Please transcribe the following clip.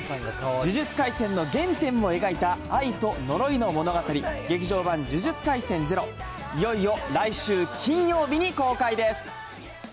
呪術廻戦の原点も描いた愛と呪いの物語、劇場版呪術廻戦０、いよいよ来週金曜日に公開です。